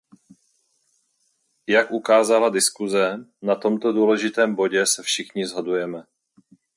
Jak ukázala diskuse, na tomto důležitém bodě se všichni shodujeme.